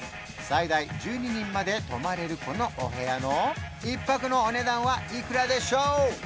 最大１２人まで泊まれるこのお部屋の１泊のお値段はいくらでしょう？